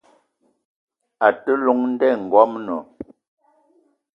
A ke llong nda i ngoamna.